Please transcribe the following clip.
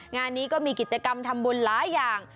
งานนี้ก็มีกิจกรรมทำบุญหลายอย่าง